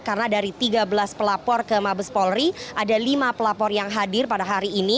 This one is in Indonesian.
karena dari tiga belas pelapor ke mabespori ada lima pelapor yang hadir pada hari ini